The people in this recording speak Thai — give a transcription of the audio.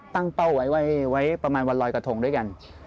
เป้าไว้ประมาณวันรอยกระทงด้วยกัน